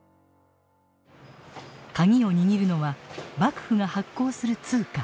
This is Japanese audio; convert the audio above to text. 鍵を握るのは幕府が発行する通貨。